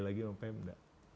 lagi oleh pmd